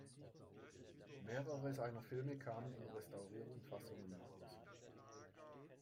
Mehrere seiner Filme kamen in restaurierten Fassungen heraus.